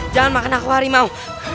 jangan makan aku harimau